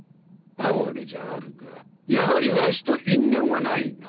哀れじゃあるがやはりわしと因縁はないな。